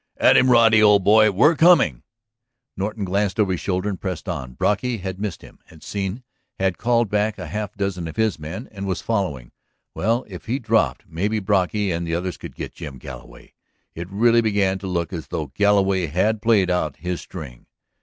"At him, Roddy, old boy! We're coming!" Norton glanced over his shoulder and pressed on. Brocky had missed him, had seen, had called back a half dozen of his men and was following. Well, if he dropped, maybe Brocky and the others could get Jim Galloway. It really began to look as though Galloway had played out his string.